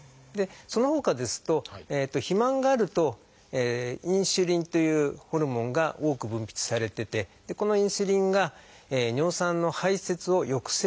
そのほかですと肥満があるとインスリンというホルモンが多く分泌されててこのインスリンが尿酸の排せつを抑制するんですね。